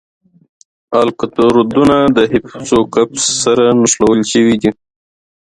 الکترودونه د هیپوکمپس سره نښلول شوي دي.